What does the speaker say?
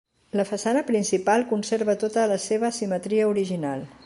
La façana principal conserva tota la seva simetria original.